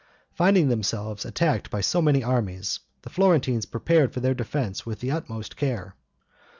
Finding themselves attacked by so many armies, the Florentines prepared for their defense with the utmost care.